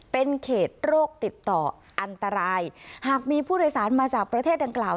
เป็นเขตโรคติดต่ออันตรายหากมีผู้โดยสารมาจากประเทศดังกล่าว